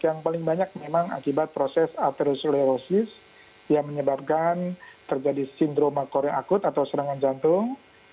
yang paling banyak memang akibat proses atheroslerosis yang menyebabkan terjadi sindroma korea akut atau serangan jantung